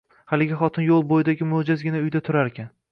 Haligi xotin yo`l bo`yidagi mo``jazgina uyda turarkan